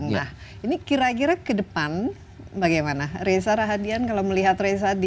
nah ini kira kira ke depan bagaimana reza rahadian kalau melihat reza di